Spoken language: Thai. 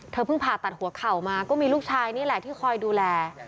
เพิ่งผ่าตัดหัวเข่ามาก็มีลูกชายนี่แหละที่คอยดูแล